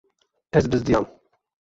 Ez bizdiyam.